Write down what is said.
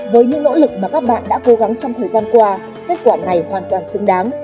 với những nỗ lực mà các bạn đã cố gắng trong thời gian qua kết quả này hoàn toàn xứng đáng